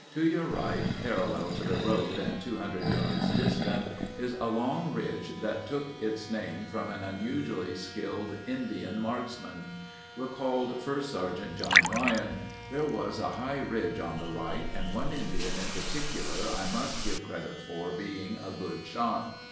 To your right, parallel to the road and 200 yards distant, is a long ridge that took its name from an unusually skilled Indian marksman. Recalled 1st Sgt. John Ryan: "There was a high ridge on the right and one Indian in particular I must give credit for being a good shot.